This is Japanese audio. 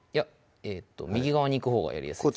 右側に行くほうがやりやすいです